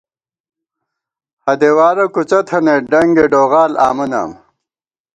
ہدېوارہ کُڅہ تھنَئیت ، ڈنگے ڈوغال آمہ نام